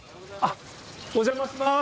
お邪魔します。